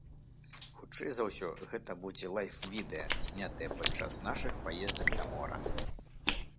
Хутчэй за ўсё, гэта будзе лайф-відэа, знятае падчас нашых паездак да мора.